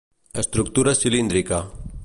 Estructura cilíndrica.